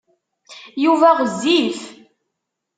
Yuba ɣezzif.